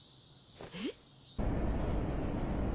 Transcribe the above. えっ？